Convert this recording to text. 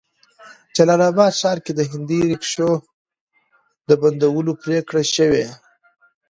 جلال آباد ښار کې د هندي ريکشو د بندولو پريکړه شوې